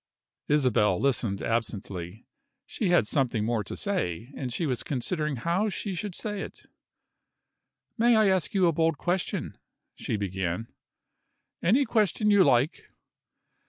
Isabel listened absently. She had something more to say, and she was considering how she should say it. "May I ask you a bold question?" she began. "Any question you like."